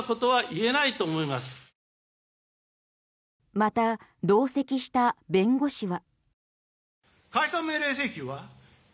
また同席した弁護士は。